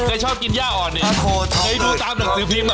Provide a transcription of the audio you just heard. ชอบกินย่าอ่อนเนี่ยเคยดูตามหนังสือพิมพ์อ่ะ